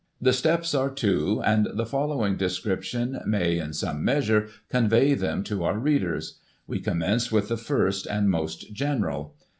The steps are two, and the following description may, in some measure, convey them to our readers ; we commence with the first, and most general.